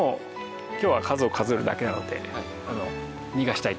今日は数を数えるだけなので逃がしたいと思います。